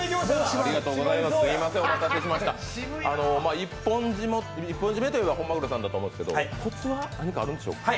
一本締めといえば本鮪さんだと思いますけどコツは何かあるんでしょうか？